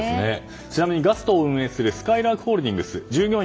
ちなみにガストを運営するすかいらーくホールディングス従業員